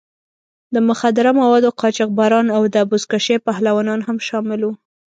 د مخدره موادو قاچاقبران او د بزکشۍ پهلوانان هم شامل وو.